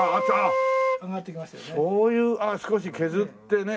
そういう少し削ってね。